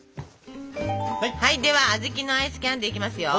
ではあずきのアイスキャンデーいきますよ！